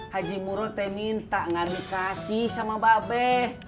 haji muroh minta ngadik kasih sama mbak be